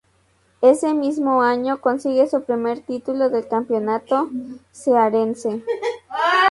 Ese mismo año consigue su primer título del Campeonato Cearense.